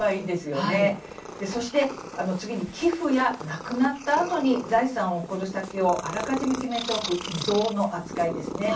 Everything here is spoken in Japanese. そして次に寄付や亡くなったあとに財産を贈る先をあらかじめ決めておく遺贈の扱いです。